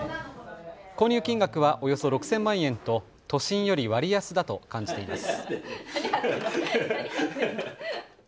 購入金額はおよそ６０００万円と都心より割安だと感じています。